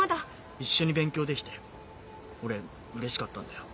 一緒に勉強できて俺うれしかったんだよ。